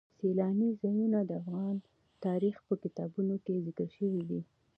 سیلانی ځایونه د افغان تاریخ په کتابونو کې ذکر شوی دي.